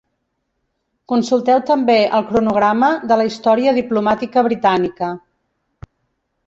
Consulteu també el Cronograma de la història diplomàtica britànica.